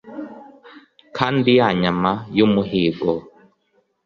Kandi ya nyama y' umuhigo